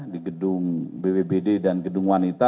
di gedung bpbd dan gedung wanita